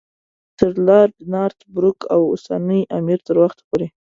تر لارډ نارت بروک او اوسني امیر تر وخته پورې.